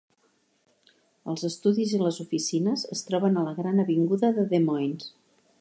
Els estudis i les oficines es troben a la gran avinguda de Des Moines.